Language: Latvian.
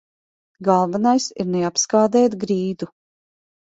Galvenais ir neapskādēt grīdu.